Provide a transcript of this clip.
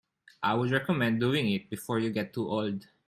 I would recommend doing it before you get too old.